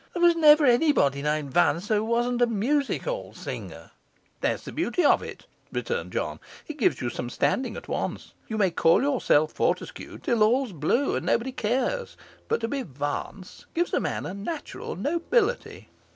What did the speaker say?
There was never anybody named Vance who wasn't a music hall singer.' 'That's the beauty of it,' returned John; 'it gives you some standing at once. You may call yourself Fortescue till all's blue, and nobody cares; but to be Vance gives a man a natural nobility.